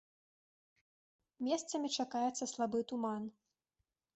Месцамі чакаецца слабы туман.